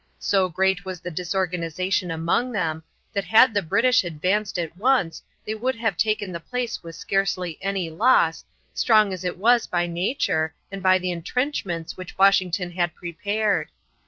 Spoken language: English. So great was the disorganization among them that had the British advanced at once they would have taken the place with scarcely any loss, strong as it was by nature and by the intrenchments which Washington had prepared.